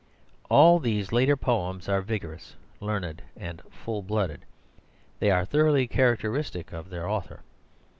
All these later poems are vigorous, learned, and full blooded. They are thoroughly characteristic of their author.